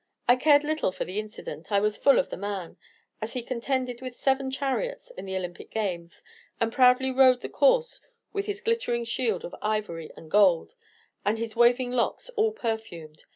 I cared little for the incident, I was full of the man, as he contended with seven chariots in the Olympic games, and proudly rode the course with his glittering shield of ivory and gold, and his waving locks all perfumed.